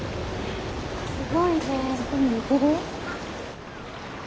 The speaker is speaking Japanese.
すごいね。